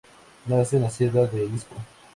Nace en la Sierra de Izco.